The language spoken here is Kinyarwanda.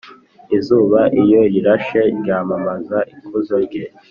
Izuba iyo rirashe ryamamaza ikuzo rye